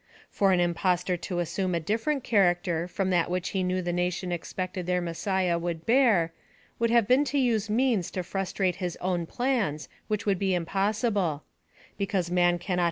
For an impostor to assume a different charactei from that which lie knew the nation expected their Messiah would bear, wou'd have been to use means to frustrate his own plans, which would be impossible ; because man cannot • Is.